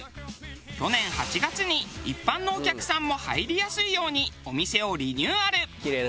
去年８月に一般のお客さんも入りやすいようにお店をリニューアル。